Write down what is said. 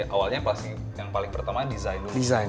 awalnya yang paling pertama adalah desain